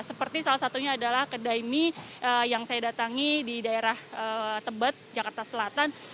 seperti salah satunya adalah kedai mie yang saya datangi di daerah tebet jakarta selatan